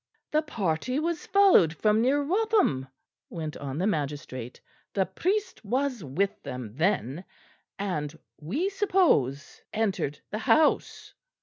"The party was followed from near Wrotham," went on the magistrate. "The priest was with them then; and, we suppose, entered the house."